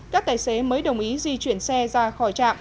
các tài xế mới đồng ý di chuyển xe ra khỏi trạm